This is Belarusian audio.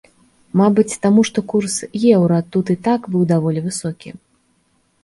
Мабыць, таму, што курс еўра тут і так быў даволі высокі.